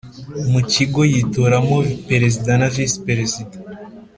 mu Kigo yitoramo Perezida na Visi Perezida